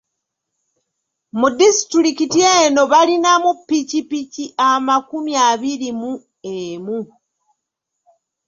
Mu disitulikiti eno balinamu ppikipiki amakumi abiri mu emu.